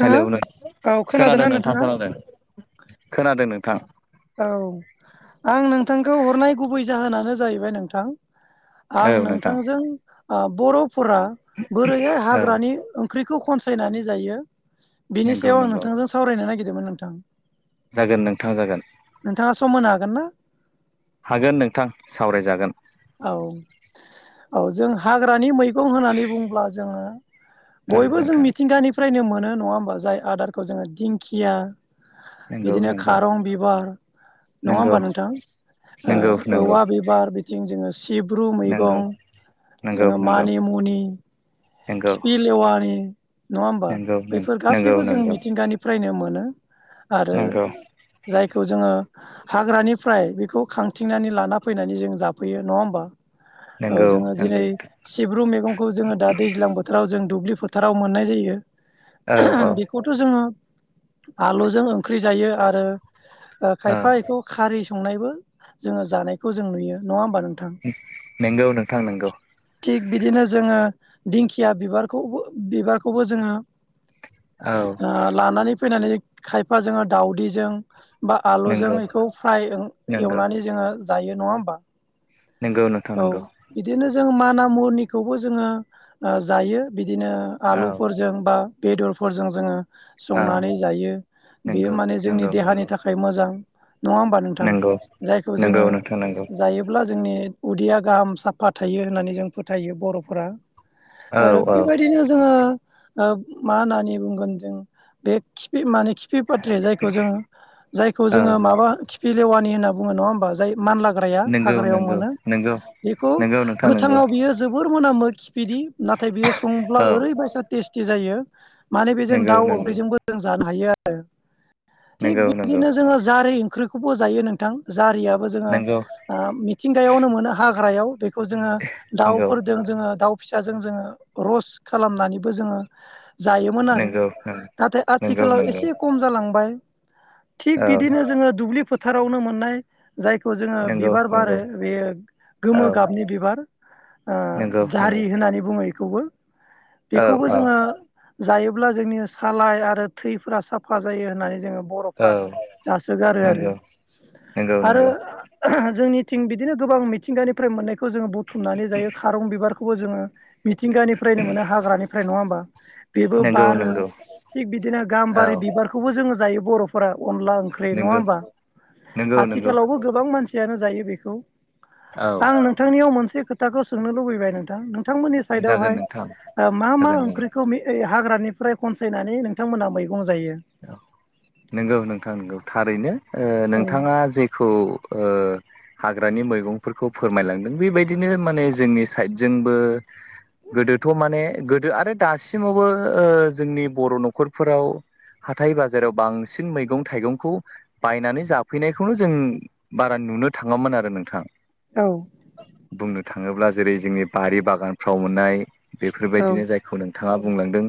नोंथाङा हेलौ नों औ खोनादोंना खोनादों नोंथां नोंथाङा खोनादों खोनादों नोंथां औ आं नोंथांखौ हरनाय गुबै जाहोनानो जाहैबाय नोंथां औ आं नोंथां नोंथांजों ओ बर'फोरा बोरैहाय औ हाग्रानि ओं ओंख्रिखौ खनसायनानै जायो बेनि नंगौ सायाव आं नंगौ नोंथांजों सावरायनो नागिरदोंमोन नोंथां जागोन नोंथां जागोन नोंथाङा सम मोनो हागोन ना? हागोन नोंथां सावरायजागोन औ औ जों हाग्रानि मैगं होननानै बुङोला जोङो औ बयबो जों नोंथां मिथिंगानिफ्रायनो मोनो नङा होमबा जाय आदारखौ जोङो दिंखिया नंगौ बिदिनो नंगौ खारं बिबार नङा नंगौ होमबा नोंथां ओ नंगौ नंगौ औवा बिबार बिथिं जोङो सिब्रु नंगौ मैगं नंगौ जोङो नंगौ मानिमुनि नंगौ खिफि लेवानि नङा होमबा नंगौ बैफोर नंगौ गासैबो जों मिथिंगानिफ्रायनो मोनो। आरो नंगौ जायखौ जोङो हाग्रानिफ्राय बेखौ खांथिंनानै लाना फैनानै जों जाफैयो नङा होमबा? औ नंगौ जोङो दिनै नंगौ सिब्रु मैगंखौ जोङो दा दैज्लां बोथोराव जों दुब्लि फोथाराव मोननाय जायो औ औ बेखौथ' जोङो आलुजों ओंख्रि जायो आरो ओ औ खायफा बेखौ खारै संनायबो जोङो जानायखौ जों नुयो नङा होमबा नों थां नंगौ नोंथां नंगौ थिग बिदिनो जोङो दिंखिया बिबारखौबो बिबारखौबो जोङो औ आ लानानै फैनानै खायफाजों दाावदैजों बा आलुजों नंगौ बेखौ फ्राय नंगौ एवनानै जोङो जायो नङा होमबा? नोंगौ नोंथां औ नंगौ। बिदिनो जों मानामुनिखौबो जोङो ओ जायो बिदिनो औ आलुफोरजों बा बेदरफोरजों जोङो औ संनानै जायो बेयो नंगौ माने जोंनि नंगौ देहानि नंगौ थाखाय मोजां नङा होमबा नोंथां नंगौ जायखौ नंगौ जोङो नोंथां नंगौ जायोब्ला जोंनि उदैया गाहाम साफा थायो होननानै जों फोथायो बर'फोरा। औ आरो औ बेबायदिनो जोङो ओ मा होननानै बुंगोन जों बे खिफि माने खिफि पत्रि जायखौ जों जायखौ जोङो औ माबा खिफि लेवानि होनना बुं बुङो नङा होमबा जाय मानलाग्राया। नोंगौ हाग्रायाव नोंगौ मोनो नोंगौ बेखौ नोंगौ नोंथां नोंगौ गोथाङाव बियो जोबोर मोनामो खिफि बादि नाथाय बियो सङोब्ला औ ओरैबायसा टेस्टि जायो। माने बेजों नोंगौ दाउ नोंगौ ओंख्रिजोंबो जों जानो हायो आरो थिग नोंगौ नोंगौ बिदिनो जोङो जारि ओंख्रिखौबो जायो नोंथां जारियाबो जोङो नोंगौ ओ मिथिंगायावनो मोनो हाग्रायाव बेखौ जोङो दाउफोरजों जोङो दाउ फिसाजों जोङो रस खालामनानैबो जोङो जायोमोन आरो नोंगौ नाथाय नोंगौ नोंगौ आथिखालाव नोंगौ एसे खम जालांबाय। थिग औ बिदिनो जोङो दुब्लि फोथारावनो मोननाय जायखौ जों नोंगौ बिबार नोंगौ बारो बे गोमो औ गाबनि बिबार ओ नोंगौ नोंगौ जारि होननानै बुङो इखौबो औ बेखौबो औ जोङो जायोब्ला जोंनि सालाय आरो थैफोरा साफा जायो होननानै जोङो औ बर'फ्रा जासोगारो आरो, नोंगौ नोंगौ नोंगौ आरो जोंनिथिं बिदिनो गोबां मिथिंगानिफ्राय मोननायखौ जोङो बुथुमनानै जायो खारं बिबारखौबो जोङो मिथिंगानिफ्रायनो मोनो हाग्रानिफ्राय नङा होमबा बेबो नोंगौ बारो नोंगौ औ थिग बिदिनो गाम्बारि बिबारखौबो जोङो जायो बर'फोरा अनला ओंख्रि नङा नोंगौ होमबा नोंगौ नोंगौ आथिखालावबो गोबां मानसि यानो जायो बेखौ औ आं नोंथांनियाव मोनसे खोथाखौ सोंनो लुबैबाय नोंथां। नोंथांमोननि जागोन साइडआवहाय नोंथां ओ मा मा जागोन जागोन ओंख्रिखौ मि हाग्रानिफ्राय खनसायनानै नोंथांमोना मैगं जा औ नोंगौ नोंथां नोंगौ थारैनो ओ नोंथाङा जेखौ ओ हाग्रानि मैगंफोरखौ फोरमायलांदों बेबायदिनो माने जोंनि साइडजोंबो ओ गोदोथ' माने गोदो आरो दासिमावबो ओ जोंनि बर' न'खरफोराव हाथाय-बाजाराव बांसिन मैगं-थाइगंखौ बायनानै जाफैनायखौनो जों बा नुनो थाङामोन आरो नोंथां। औ बुंनो थाङोब्ला जेरै जोंनि बारि बागानफ्राव मोननाय औ बेफोरबायदिनो जायखौ नों थाङा बुंलांदों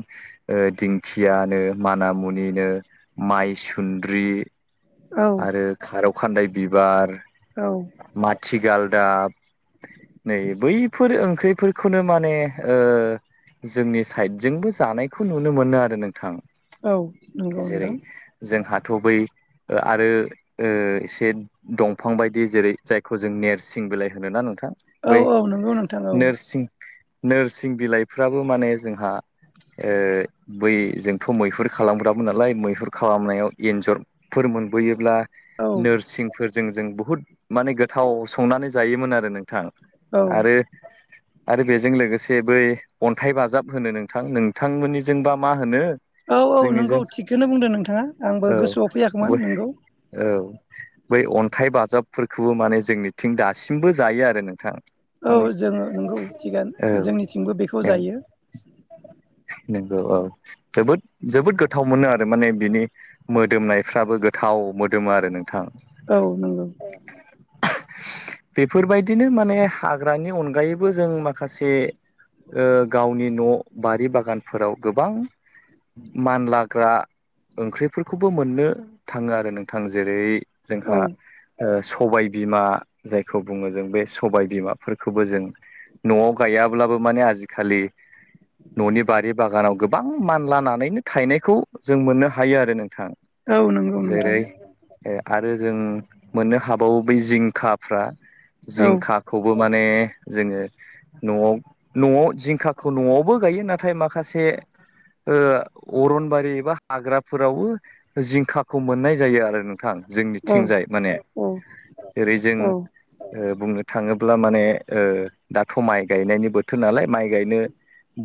ओ दिंखियानो माना मुनिनो, माइ सुन्द्रि औ आरो खारौ खानदाय बिबार औ माथिगालदाब नै बैफोर ओंख्रिफोरखौनो माने ओ जोंनि साइडजोंबो जानायखौ नुनो मोनो आरो नोंथां। औ नंगौ जेरै नोंथां जोंहाथ' बै ओ आरो ओ एसे दंफां बायदि जेरै जायखौ जों नेरसिं बिलाइ होनोना नो थां औ बै औ नंगौ नोंथां औ नोरसिं नोरसिं बिलाइफ्राबो माने जोंहा ओ बै जोंथ' मैहुर खालामग्रामोन नालाय। मैहुर खालामनायाव एन्जर फोर मोनबोयोब्ला औ नोरसिंफोरजों जों बुहुत माने गोथाव संनानै जायोमोन आरो नोंथां औ आरो आरो बेजों लोगोसे बै अन्थाइ बाजाब होनो नोंथां। नोंथांमोननिजोंबा मा होनो? औ औ जोंनिजों नोंगौ थिगखोनो बुंदों नोंथाङा। आंबो गोसोआव फैयाख ब औ बै अन्थाइ बाजाबफोरखौबो माने जोंनिथिं दासिमबो जायो आरो नोंथां। औ माने जोङो नंगौ थिगानो औ ओ। जोंनिथिंबो बेखौ जायो नोंगौ औ। जोबोद जोबोद गोथाव मोनो आरो माने बिनि मोदोमनाय फ्राबो गोथाव मोदोमो आरो नोंथां। औ नोंगौ। बेफोरबायदिनो माने हाग्रानि अनगायैबो जों माखासे ओ गावनि न' बारि बागानफोराव गोबां मानलाग्रा ओंख्रिफोरखौबो मोननो थाङो आरो नोंथां। जेरै औ जोंहा ओ स सबाय बिमा जायखौ बुङो जों बे सबाय बिमाफोरखोबो जों न'आव गायाब्लाबो माने आजिखालि न'नि बारि बागानाव गोब बां मानलानानैनो थायनायखौ जों मोननो हायो आरो नोंथां। औ नोंगौ नोंथां। ए आरो जों मोननो हाबावो बै जिंखाफ्रा, औ जिंखाखौबो माने जोङो न'आव न'आव जिंखाखौ न'आवबो गायो नाथाय माखासे ओ अरनबारि एबा हाग्राफोरावबो जिंखाखौ मोननाय जायो आरो नों थां औ जोंनिथिंजाय माने औ जेरै जों औ ओ बुंनो थाङो ब्ला माने ओ दाथ' माइ गायनायनि बोथोर नालाय माइ गायनो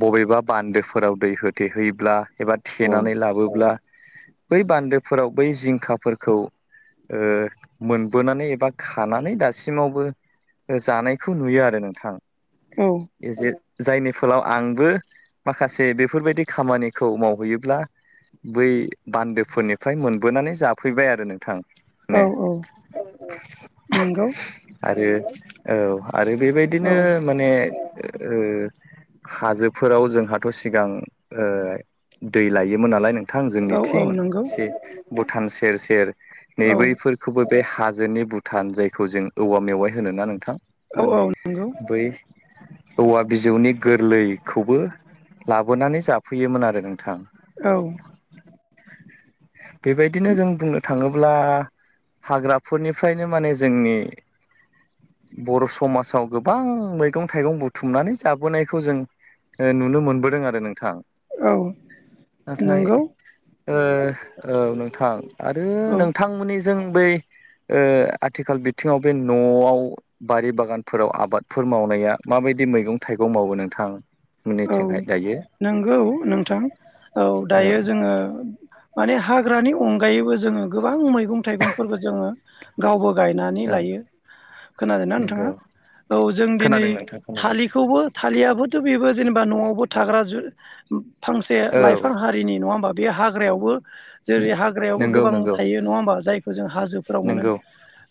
बबेबा बान्दोफोराव दै होथे हैब्ला एबा औ थेनानै लाबोब्ला बै बान्दोफोराव बै जिंखाफोरखौ ओ मोनबोनानै एबा खानानै दासिमावबो ओ जानायखौ नुयो आरो नोंथां। औ एजे जायनि फोलाव आंबो माखासे बेफोर बायदि खामानिखौ मावहैयोब्ला बै बान्दोफोरनि फ्राय मोनबोनानै जाफैबाय आरो नोंथां। औ ने औ नंगौ आरो औ आरो औ बेबायदिनो माने ओ हाजोफोराव जोंहाथ' सिगां ओ दै लायोमोन नालाय नों थां औ औ जोंनिथिं नंगौ एसे भुटान सेर सेर नै औ बैफोरखौबो बे हाजोनि भुटान जायखौ जों औवा मेवाइ होनो ना नोंथां। औ माने औ नंगौ बै औवा बिजौनि गोरलैखौबो लाबोनानै जाफैयोमोन आरो नोंथां। औ। बेबायदिनो जों बुंनो थाङोब्ला हाग्राफोरनिफ्रायनो माने जोंनि बर' समासाव गोबां मैगं थाइगं बुथुमनानै जाबोनायखौ जों ओ नुनो मोनबोदों आरो नोंथां। औ नाथाय नोंगौ। ओ औ नोंथां आरो औ नोंथांमोननिजों बै ओ आथिखाल बिथिङाव बे न'आव बारि बागानफोराव आबादफोर मावनाया माबाय दि मैगं थाइगं मावो नोंथां। औ मोननिथिंहाय दायो नंगौ नोंथां औ दायो जोङो माने हाग्रानि अनगायैबो जोङो गोबां मैगं थाइगंफोरखौ जोङो गावबा गाव गायनानै औ लायो। खोनादोंना नोंथाङा नंगौ औ जों दिनै खोनादों नोंथां खोनादों थालिखौबो थालियाबो [unintelligible] बेबो जेनेबा न'आवबो थाग्रा जु फांसे औ लाइफां हारिनि नङा होमबा? बे हाग्रायावबो जेरै हाग्रायावबो नंगौ गोबां नंगौ थायो नङा होमबा जायखौ जों हाजोफोराव मोनो। नंगौ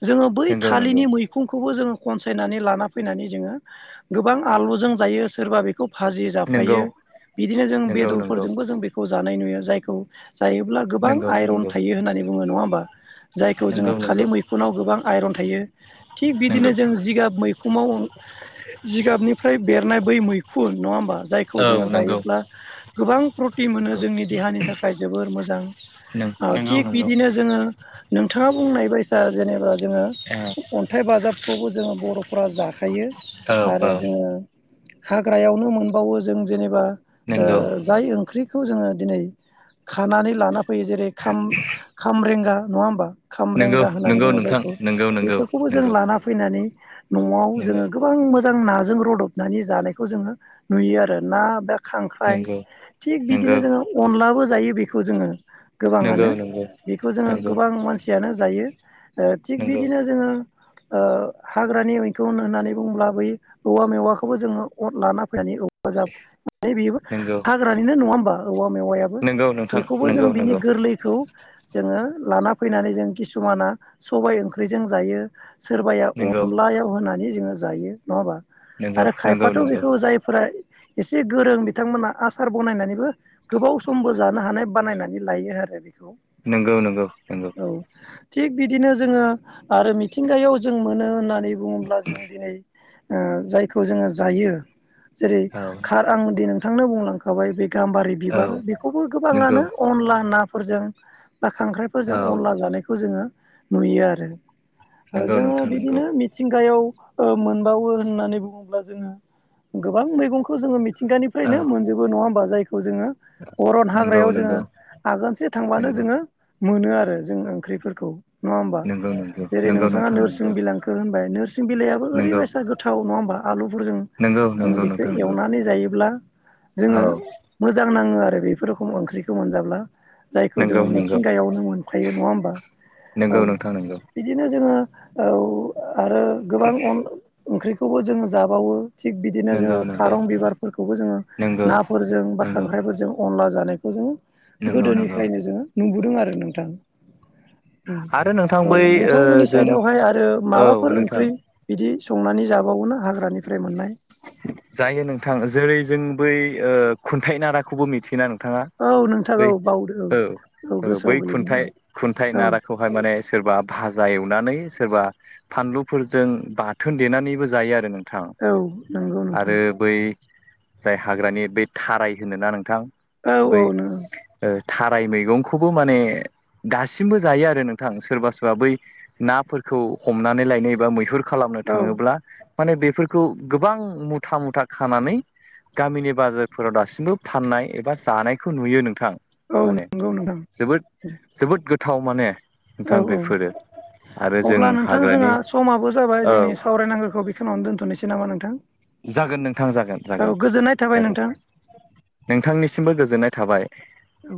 जोङो बै नंगौ नंगौ थालिनि मैखुं खौबो जोङो खनसायनानै लाना फैनानै जोङो गोबां आलुजों जायो सोरबा बे भाजि जाफायो नंगौ बिदिनो जों नंगौ नंगौ बेदरफोरजोंबो जों बेखौ जानाय नुयो जायखौ जायोब्ला गोबां नंगौ आइरन नंगौ थायो होननानै बुङो नङा होमबा? जायखौ जोङो नंगौ थालिर नंगौ मैखुनाव गोबां आइरन थायो। थिग बिदिनो नंगौ जों जिगाब मैखुमाव जिगाबनिफ्राय बेरनाय बै मै खुन नङा होमबा जायखौ जोङो औ नंगौ जायोब्ला गोबां प्रतिन मोनो जोंनि देहानि थाखाय जोबोर मोजां। नंगौ नंगौ ओथिग नंगौ बिदिनो जोङो नोंथाङा बुंनाय बायसा जेनेबा जोङो अन्थाइ बाजाबखौबो जोङो बर'फ्रा जाखायो औ आरो औ जोङो हाग्रायावनो मोनबावो जों जेनेबा ओ नंगौ जाय ओंख्रि खौ जोङो दिनै खानानै लाना फैयो जेरै खाम-खामब्रेंगा नङा होमबा? नंगौ खामरेंगा होननानै नंगौ बुङो नोंथां जायखौ नंगौ नंगौ बेफोरखौबो जों नंगौ लाना फैनानै न'आव नंगौ जोङो गोबां मोजां नाजों रुदबनानै जानायखौ जोङो नुयो आरो ना बा खांख्राइ नंगौ थिग बिदिनो नंगौ जोङो अनलाबो जायो बेखौ जोङो। नंगौ नंगौ गोबाङानो बेखौ जोङो नंगौ गोबां मानसियानो जायो। ओ थिग नंगौ बिदिनो जोङो ओ हाग्रानि मैखुन होननानै बुंङोब्ला बै औवा मेवाखौबो जोंङो अर लाना फैनानै औ जाबे बेयोबो नंगौ हाग्रानिनो नंङा होमबा औवा मेवायाबो। नंगौ नोंथां बेखौबो जों नंगौ बिनि नंगौ गोरलैखौ जोंङो लाना फैनानै जों किसुमाना सबाय ओंख्रिजों जायो। सोरबाया नंगौ अनलायाव होनानै जोंङो जायो नङा होमबा? नों नंगौ बाथ' बेखौ जायफोरा एसे गोरों बिथांमोना आसार बानायनानैबो गोबाव समबो जानो हानाय बानायनानै लायो आरो बे। नंगौ नंगौ नंगौ थिग बिदिनो जोंङो आरो मिथिंगायाव जों मोनो होननानै बुंङोब्ला जों दिनै ओ जायखौ जोंङो जायो जेरै औ खार नोंथां आं दि नोंथांनो बुंलांखाबाय बे गाम्बारि औ बिबार बेखौबो नंगौ गोबाङानो अनला नाफोरजों बा खांख्राइफोरजों औ अनला जानायखौ जोंङो नुयो आरो। नंगौ जोंङो नोंथां नंगौ बिदिनो मिथिंगायाव ओ मोनबावो होननानै बुंङोब्ला जो गोबां मैगंखौ जोंङो औ मिथिंगानिफ्रायनो मोनजोबो नंङा होमबा खौ जोंङो अरन नंगौ हाग्रायाव नंगौ जोंङो आगोनसे थांब्लानो जोंङो मोनो आरो जों ओंख्रिफोरखौ नंङा होमबा? नंगौ नंगौ जेरै नंगौ नोंथांङा नोंथां नोरसिं नंगौ बिलाांखौो होनबाय नोरसिं बिलाइाबो नंगौ ओरैबायसा गोथाव नंङा होनोमबा? आलुफोरजों नंगौ जों नंगौ बेखौ नोंथां नंगौ एवनानै जायोब्ला जोंङो औ मोजां नांङो आरो। बेफोर रोखोम ओंख्रिखौ मोनजाब्ला जायखौ नंगौ जोंङो नंगौ मिथिंगायावनो मोनखायो नंङा होमबा? औ नंगौ नोंथां नंगौ बिदिनो जोंङो औ आरो गोबां अन ओंख्रिखौबो जोंङो जाबावो। थिग बिदिनो नंगौ जोंङो नंगौ खारं बिबारफोरखौबो जोंङो नंगौ नाफोरजों बा नंगौ खांख्राइफोरजों अनला जानाय खौ जोंङो नंगौ नंगौ गोदोनिफ्रायनो जोंङो नुबोदों आरो नोंथां। आरो नोंथां औ बै ओ नोंथांमोननि जों साइदावहाय आरो औ माबाफोर नोंथां ओंख्रि बिदि संनानै जाबावोना हाग्रानिफ्राय मोननाय। जायो नोंथां जेरै जों बै खुन्थाइ नाराखौबो मिथियो ना नोंथाङा औ नोंथां औ बै बावदो औ औ गोसोआव बै गोलैदों खुन्थाइ औ खुन्थाइ औ नाराखौहाय माने सोरबा भाजा एव नानै सोरबा फानलुफोरजों बाथोन देनानैबो जायो आरो नों औ नंगौ नोंथां आरो बै जाय हाग्रानि बै थाराय होनोना नोंथां औ बै औ नो थाराय मैगंखौबो माने दासिमबो जायो आरो नोंथां सोरबा सोरबा बै नाफोरखौ हमनानै लायनो एबा मैहुर खालामनो औ थांङोब्ला माने बेफोरखौ गोबां मुथा मुथा खानानै गामिनि बाजारफोराव दासिमबो फाननाय एबा जानायखौ नुयो नों नोंथां औ माने नंगौ नोंथां जोबोद जोबोद गोथाव माने नोंथां औ औ बेफोरो आरो जों अब्ला नोंथां जोंहा हाग्रानि समाबो जाबाय औ जोंनि सावरायनांगौखौ बेखिनियावनो दोनथ'नोसै नामा नोंथां जागोन नोंथां जागोन औ जागोन गोजोननाय थाबाय जागोन नोंथां नोंथांनिसिमबो गोजोननाय थाबाय औ